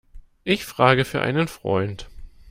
Ich frage für einen Freund.